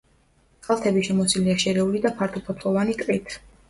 კალთები შემოსილია შერეული და ფართოფოთლოვანი ტყით.